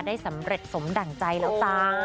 ได้สำเร็จสมดั่งใจแล้วจ้า